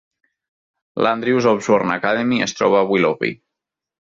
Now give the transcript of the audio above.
L'Andrews Osborne Academy es troba a Willoughby.